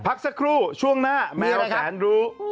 พักสักครู่ช่วงหน้าแมวแสนรู้